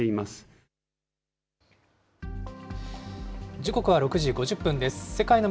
時刻は６時５０分です。